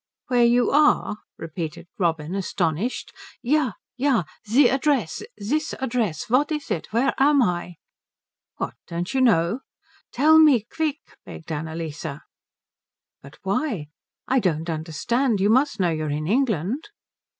"Where you are?" repeated Robin, astonished. "Ja, Ja. The address. This address. What is it? Where am I?" "What, don't you know?" "Tell me quick," begged Annalise. "But why I don't understand. You must know you are in England?"